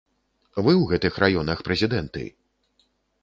Вы ў гэтых раёнах прэзідэнты!